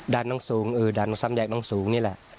ดัดน้องสูงด่านสำเนี่ยแขกลงสูงนี่แหละ